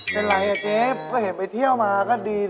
เป็นไรอ่ะเจ๊ก็เห็นไปเที่ยวมาก็ดี